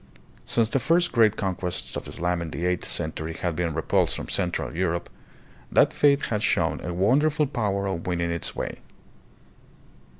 Since the first great conquests of Islam in the eighth cen tury had been repulsed from central Europe, that faith had shown a wonderful power of winning its way.